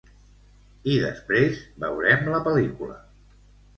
I després veurem la pel·lícula.